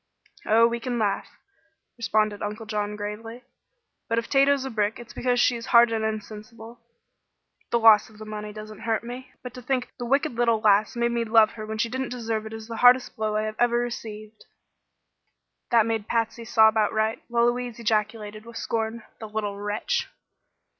"Oh, we can laugh," responded Uncle John, gravely. "But if Tato's a brick it's because she is hard and insensible. The loss of the money doesn't hurt me, but to think the wicked little lass made me love her when she didn't deserve it is the hardest blow I have ever received." That made Patsy sob outright, while Louise ejaculated, with scorn: "The little wretch!"